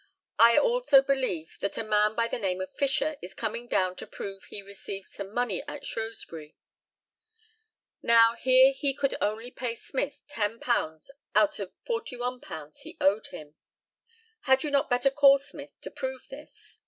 I also believe that a man by the name of Fisher is coming down to prove he received some money at Shrewsbury. Now, here he could only pay Smith £10 out of £41 he owed him. Had you not better call Smith to prove this?